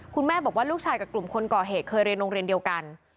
คุณแม่บอกว่าลูกชายกับกลุ่มคนก่อเหตุเคยเรียนโรงเรียนเดียวกัน